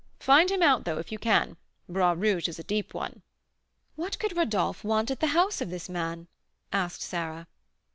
Find him out, though, if you can; Bras Rouge is a deep one." "What could Rodolph want at the house of this man?" asked Sarah.